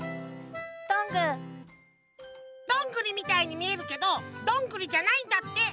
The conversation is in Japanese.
どんぐりみたいにみえるけどどんぐりじゃないんだって。